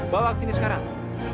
bawa ke sini sekarang